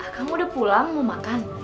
kamu udah pulang mau makan